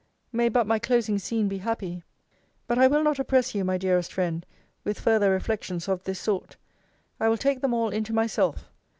May but my closing scene be happy! But I will not oppress you, my dearest friend, with further reflections of this sort. I will take them all into myself.